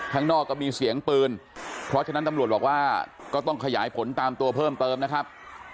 ข้างนอกก็มีเสียงปืนเพราะฉะนั้นตำรวจบอกว่าก็ต้องขยายผลตามตัวเพิ่มเติมนะครับ